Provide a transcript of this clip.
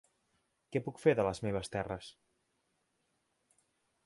Què puc fer de les meves terres?